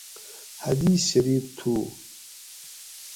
حدیث شریف تُھو